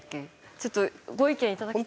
ちょっとご意見いただきたい。